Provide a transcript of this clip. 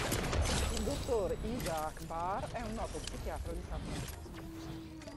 Il dr. Isaac Barr è un noto psichiatra di San Francisco.